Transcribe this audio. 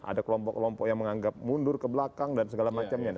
ada kelompok kelompok yang menganggap mundur ke belakang dan segala macamnya